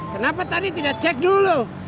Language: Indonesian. kenapa tadi tidak cek dulu